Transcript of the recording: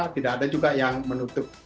tidak ada juga yang menutup